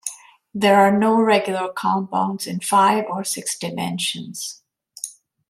There are no regular compounds in five or six dimensions.